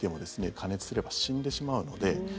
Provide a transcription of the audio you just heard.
加熱すれば死んでしまうので。